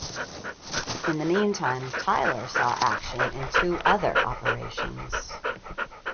In the meantime, "Tyler" saw action in two other operations.